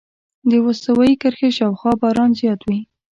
د استوایي کرښې شاوخوا باران زیات وي.